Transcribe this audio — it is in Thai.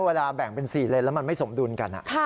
เวลาแบ่งเป็น๔เลนแล้วมันไม่สมดุลกัน